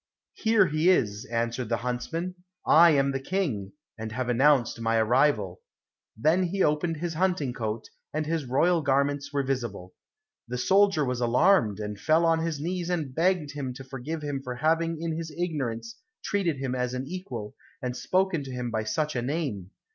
"Here he is," answered the huntsman, "I am the King, and have announced my arrival." Then he opened his hunting coat, and his royal garments were visible. The soldier was alarmed, and fell on his knees and begged him to forgive him for having in his ignorance treated him as an equal, and spoken to him by such a name.